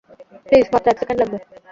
Please মাত্র এক second লাগবে।